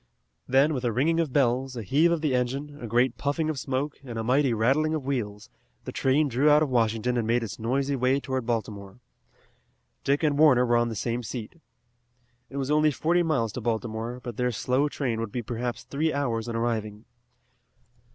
Then, with a ringing of bells, a heave of the engine, a great puffing of smoke, and a mighty rattling of wheels, the train drew out of Washington and made its noisy way toward Baltimore. Dick and Warner were on the same seat. It was only forty miles to Baltimore, but their slow train would be perhaps three hours in arriving.